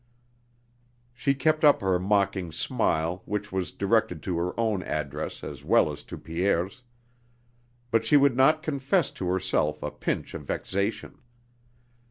She kept up her mocking smile which was directed to her own address as well as to Pierre's; but she would not confess to herself a pinch of vexation.